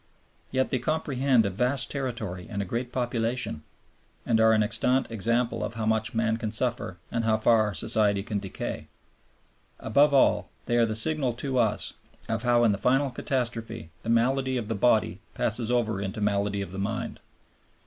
Yet they comprehend a vast territory and a great population, and are an extant example of how much man can suffer and how far society can decay. Above all, they are the signal to us of how in the final catastrophe the malady of the body passes over into malady of the mind.